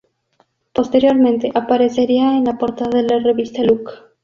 Posteriormente aparecería en la portada de la revista" Look".